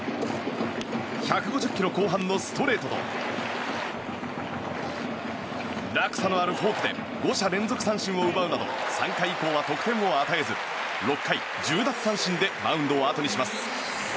１６０キロ後半のストレートと落差のあるフォークで５者連続三振を奪うなど３回以降は得点を与えず６回１０奪三振でマウンドをあとにします。